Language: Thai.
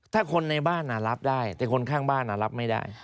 ถ้าคนในบ้านรับได้แต่คนข้างบ้านรับไม่ได้